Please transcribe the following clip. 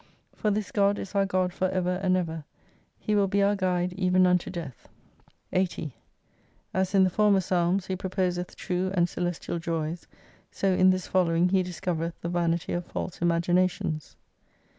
For this God is our God for ever and iver. He will be our guide even unto death. 80 As in the former psalms he proposeth true and celestial joys, so in this following he discovereth the vanity of false imaginations.